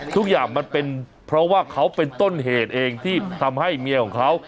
ทุกอย่างมันเป็นเพราะว่าเขาเป็นต้นเหตุเองที่ทำให้เมียของเขา